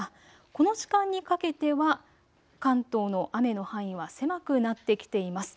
この時間にかけては関東の雨の範囲は狭くなってきています。